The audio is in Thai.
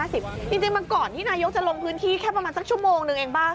จริงมันก่อนที่นายกจะลงพื้นที่แค่ประมาณสักชั่วโมงนึงเองบ้าง